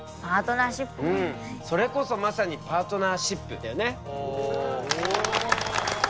それこそまさにパートナーシップだよね。